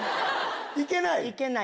行けない？